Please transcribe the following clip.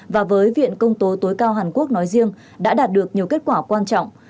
và với viện công tố tối cao hàn quốc nói riêng đã đạt được nhiều kết quả quan trọng